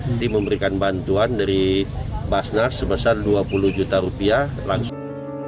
jadi memberikan bantuan dari basnas sebesar dua puluh juta rupiah langsung